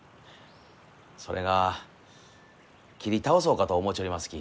それが切り倒そうかと思うちょりますき。